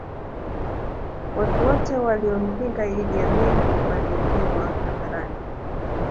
watu wote waliompinga iddi amini waliuliwa hadharani